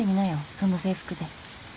その制服で。